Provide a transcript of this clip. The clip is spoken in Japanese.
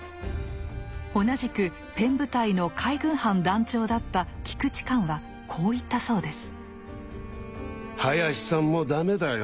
同じくペン部隊の海軍班団長だった菊池寛はこう言ったそうです。